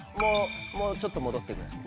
もうちょっと戻ってください。